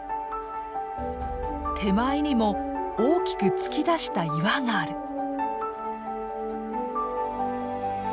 手前にも大きく突き出した岩がある。